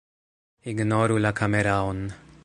Ignoru la kameraon